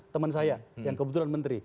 teman saya yang kebetulan menteri